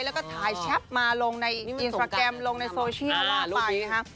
แล้วก็ถ่ายแชทมาลงในอินสตราแกรมลงในโซเชียลก็ว่าไปนะคะ